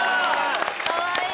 かわいい！